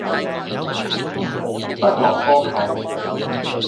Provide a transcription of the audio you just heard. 不落窠臼